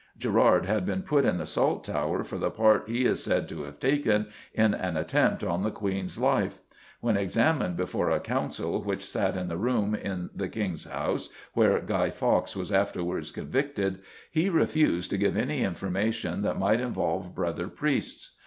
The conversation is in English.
Gerard had been put in the Salt Tower for the part he is said to have taken in an attempt on the Queen's life. When examined before a Council which sat in the room in the King's House where Guy Fawkes was afterwards convicted, he refused to give any information that might involve brother priests.